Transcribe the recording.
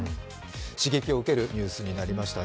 刺激を受けるニュースになりましたね。